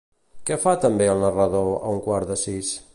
Què fa també el narrador a un quart de sis?